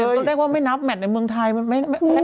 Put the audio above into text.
ต้องเรียกว่าไม่นับแหมดในเมืองไทยไม่อุ่นเครื่อง